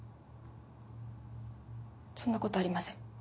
そんな事ありません。